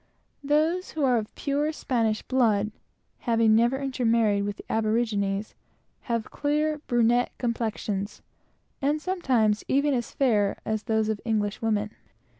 Those who are of pure Spanish blood, having never intermarried with the aborigines, have clear brunette complexions, and sometimes, even as fair as those of English women.